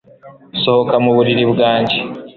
Sohoka mu buriri bwanjye